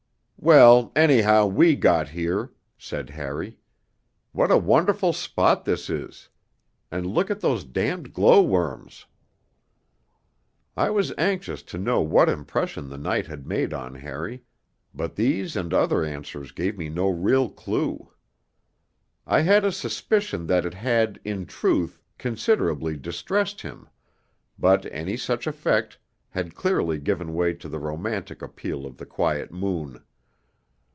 'Well, anyhow we got here,' said Harry. 'What a wonderful spot this is. And look at those damned glow worms.' I was anxious to know what impression the night had made on Harry, but these and other answers gave me no real clue. I had a suspicion that it had, in truth, considerably distressed him, but any such effect had clearly given way to the romantic appeal of the quiet moon.